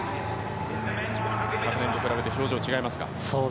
昨年と比べて表情違いますか？